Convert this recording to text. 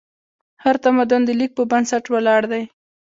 هر تمدن د لیک په بنسټ ولاړ دی.